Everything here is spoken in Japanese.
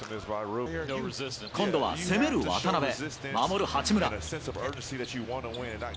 今度は攻める渡邊、守る八村。